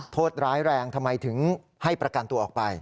โทษร้ายแรงทำไมถึงให้ประกันตัวออกไป